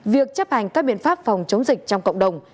việc chấp hành các biện pháp phòng chống dịch trong cộng đồng